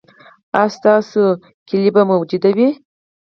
ایا ستاسو کیلي به موجوده وي؟